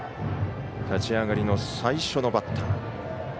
立ち上がりの最初のバッター。